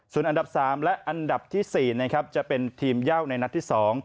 ส่วนอันดับ๓และอันดับที่๔นะครับจะเป็นทีมเย่าในนัดที่๒